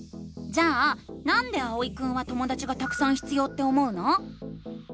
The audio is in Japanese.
じゃあ「なんで」あおいくんはともだちがたくさん必要って思うの？